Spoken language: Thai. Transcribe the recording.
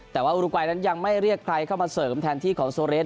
แต่ว่าอุรุกัยนั้นยังไม่เรียกใครเข้ามาเสริมแทนที่ของโซเรส